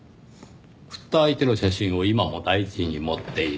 振った相手の写真を今も大事に持っている。